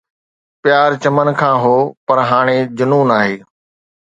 پيار چمن کان هو پر هاڻي جنون آهي